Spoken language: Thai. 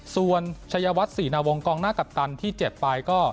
ส่วนชายวัดศรีนวงกองหน้ากัปตันที่๗ปลายก็